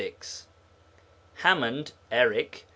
HAMMOND, ERIC.